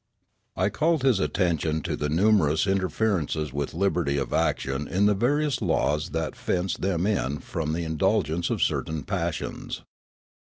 I called his attention to the numerous interferences with liberty of action in the various laws that fenced them in from the indulgence of certain passions.